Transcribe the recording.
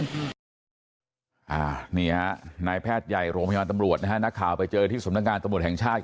นี่ฮะนายแพทย์ใหญ่โรงพยาบาลตำรวจนะฮะนักข่าวไปเจอที่สำนักงานตำรวจแห่งชาติ